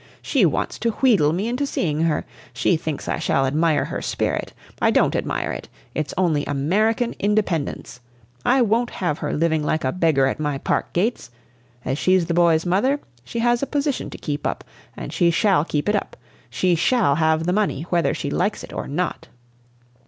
"She wants to wheedle me into seeing her. She thinks I shall admire her spirit. I don't admire it! It's only American independence! I won't have her living like a beggar at my park gates. As she's the boy's mother, she has a position to keep up, and she shall keep it up. She shall have the money, whether she likes it or not!"